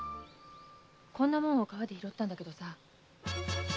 こんなもんを川で拾ったんだけどさ。